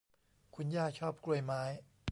คุณย่าชอบกล้วยไม้